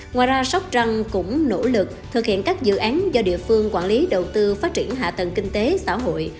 ngoài ra sóc trăng cũng nỗ lực thực hiện các dự án do địa phương quản lý đầu tư phát triển hạ tầng kinh tế xã hội